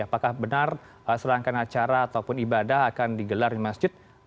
apakah benar serangkaian acara ataupun ibadah akan digelar di masjid